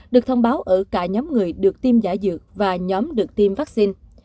được thông báo ở cả nhóm người được tìm giả dược và nhóm được tìm vaccine